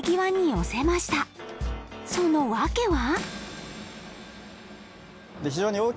その訳は？